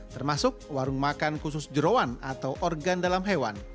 termasuk warung makan khusus jerawan atau organ dalam hewan